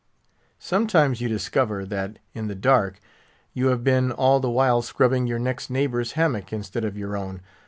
Sometimes you discover that, in the dark, you have been all the while scrubbing your next neighbour's hammock instead of your own.